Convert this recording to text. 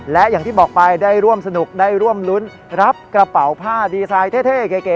และอย่างที่บอกไปได้ร่วมสนุกได้ร่วมรุ้นรับกระเป๋าผ้าดีไซน์เท่เก๋